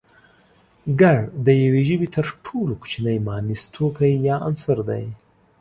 گړ د يوې ژبې تر ټولو کوچنی مانيز توکی يا عنصر دی